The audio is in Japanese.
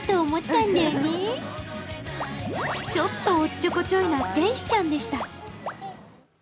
ちょっとおっちょこちょいな天使ちゃんでした。